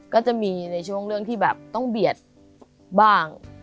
ก็จะมีในช่วงเรื่องที่แบบต้องเบียดบ้าง